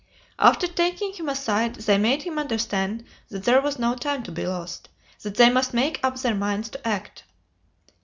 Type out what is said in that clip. After taking him aside they made him understand that there was no time to be lost that they must make up their minds to act.